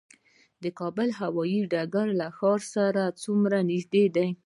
د کابل هوايي ډګر له ښار سره څومره نږدې دی؟